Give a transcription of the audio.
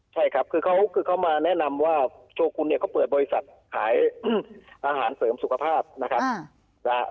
ใช่ครับคือเขาคือเขามาแนะนำว่าโชกุลเนี่ยเขาเปิดบริษัทขายอาหารเสริมสุขภาพนะครับ